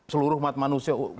seluruh umat manusia